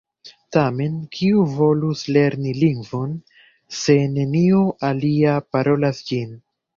Tamen, kiu volus lerni lingvon, se neniu alia parolas ĝin?